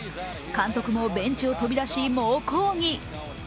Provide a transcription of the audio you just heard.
監督もベンチを飛び出し猛抗議。